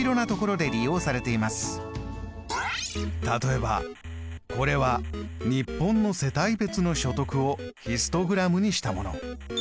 例えばこれは日本の世帯別の所得をヒストグラムにしたもの。